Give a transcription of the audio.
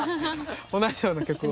同じような曲を。